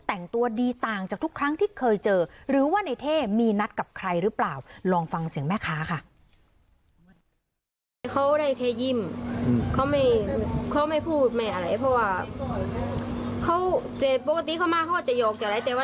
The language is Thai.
แต่งตัวดีต่างจากทุกครั้งที่เคยเจอหรือว่าในเท่มีนัดกับใครหรือเปล่าลองฟังเสียงแม่ค้าค่ะ